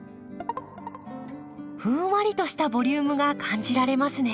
ふんわりとしたボリュームが感じられますね。